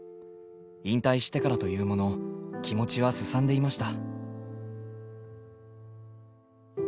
引退してからというもの気持ちはすさんでいました。